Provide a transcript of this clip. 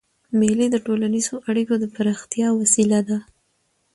مېلې د ټولنیزو اړیکو د پراختیا وسیله ده.